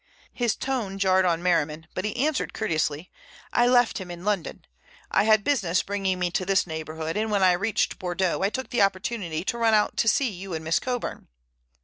His tone jarred on Merriman, but he answered courteously: "I left him in London. I had business bringing me to this neighborhood, and when I reached Bordeaux I took the opportunity to run out to see you and Miss Coburn."